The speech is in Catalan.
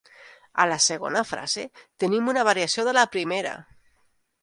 A la segona frase tenim una variació de la primera.